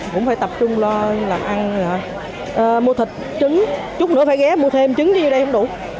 cũng phải tập trung lo làm ăn mua thịt trứng chút nữa phải ghé mua thêm trứng cho vô đây không đủ